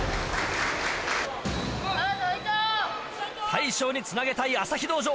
・大将につなげたい朝飛道場。